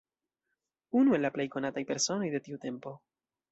Unu el la plej konataj personoj de tiu tempo.